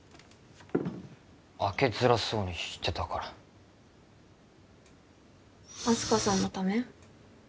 開けづらそうにしてたからあす花さんのため？